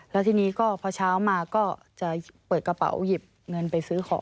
แล้วทีนี้ก็พอเช้ามาก็จะเปิดกระเป๋าหยิบเงินไปซื้อของ